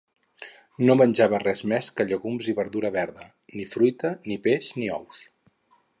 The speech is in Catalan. No menjava res més que llegums i verdura verda; ni fruita, ni peix ni ous.